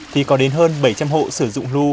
thì có đến hơn bảy trăm linh hộ sử dụng ru